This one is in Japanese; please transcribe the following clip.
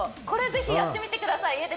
これ是非やってみてください